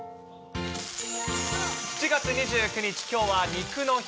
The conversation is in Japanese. ７月２９日、きょうは肉の日。